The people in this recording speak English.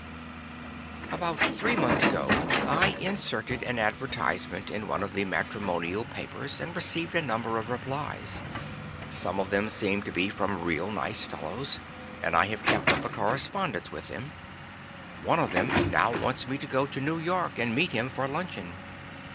"About three months ago I inserted an advertisement in one of the matrimonial papers and received a number of replies. Some of them seemed to be from real nice fellows, and I have kept up a correspondence with them. One of them now wants me to go to New York and meet him for luncheon.